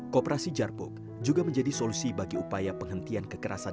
koperasi jarpuk juga menjadi solusi bagi upaya penghentian kekerasan